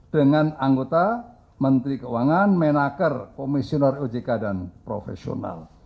dengan anggota menteri keuangan menaker komisioner ojk dan profesional